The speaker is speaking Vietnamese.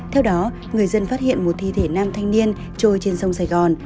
theo đó người dân phát hiện một thi thể nam thanh niên trôi trên sông sài gòn